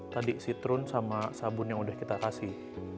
tadi sitrun sama sabun yang udah kita kasih